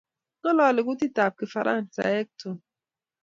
Ngololi kutitab kifaransaik Tom